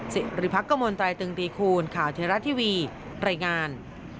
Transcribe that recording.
สิริพักกมลตรายตึงตีคูณข่าวเทราะทีวีรายงาน